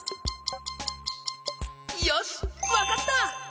よしわかった！